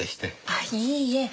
あっいいえ。